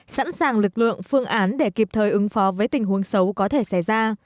sẵn sàng lực lượng phương án để kịp thời ứng phó với tình huống xấu có thể xảy ra